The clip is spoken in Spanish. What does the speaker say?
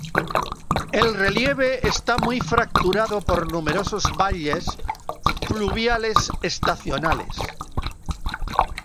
El relieve está muy fracturado por numerosos valles fluviales estacionales.